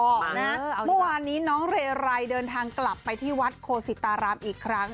เมื่อวานนี้น้องเรไรเดินทางกลับไปที่วัดโคสิตารามอีกครั้ง